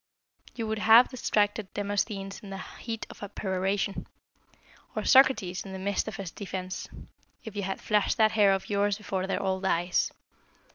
You would have distracted Demosthenes in the heat of a peroration, or Socrates in the midst of his defence, if you had flashed that hair of yours before their old eyes.